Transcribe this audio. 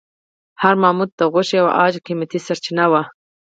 هر ماموت د غوښې او عاج قیمتي سرچینه وه.